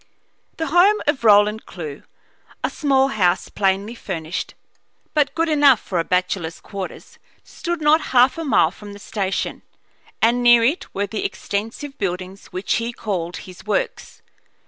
The home of Roland Clewe, a small house plainly furnished, but good enough for a bachelor's quarters, stood not half a mile from the station, and near it were the extensive buildings which he called his Works.